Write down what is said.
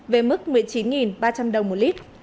về mức một mươi chín ba trăm linh đồng một lít